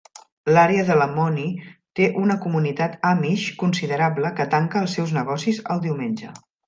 L'àrea de Lamoni té una comunitat Amish considerable que tanca els seus negocis el diumenge.